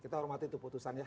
kita hormati itu putusan ya